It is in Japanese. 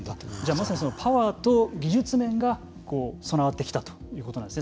まさにパワーと技術面が備わってきたということなんですね。